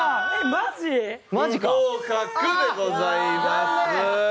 不合格でございます。